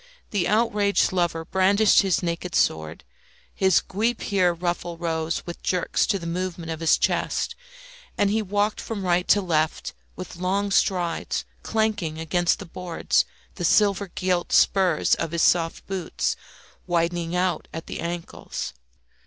The outraged lover brandished his naked sword; his guipure ruffle rose with jerks to the movements of his chest, and he walked from right to left with long strides, clanking against the boards the silver gilt spurs of his soft boots, widening out at the ankles.